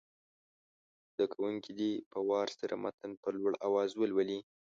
زده کوونکي دې په وار سره متن په لوړ اواز ولولي.